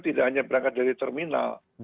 tidak hanya berangkat dari terminal